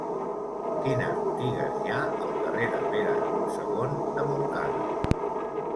Quines botigues hi ha al carrer de Pere II de Montcada?